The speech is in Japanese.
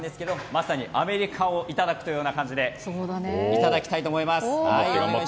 まさにアメリカをいただく感じでいただきたいと思います。